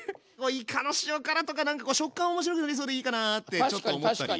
いかの塩辛とかなんか食感面白くなりそうでいいかなってちょっと思ったり。